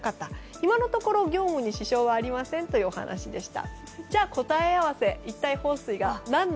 今のところ業務に支障はありませんというお話でした。